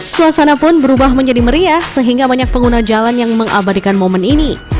suasana pun berubah menjadi meriah sehingga banyak pengguna jalan yang mengabadikan momen ini